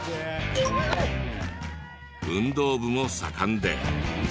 運動部も盛んで。